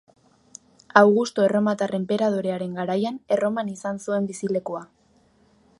Augusto erromatar enperadorearen garaian Erroman izan zuen bizilekua.